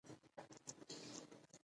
غل تل د نورو اعتماد خرابوي